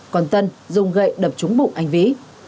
còn tân dùng gậy đập trúng bụng anh vĩ